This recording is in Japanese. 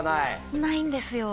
ないんですよ。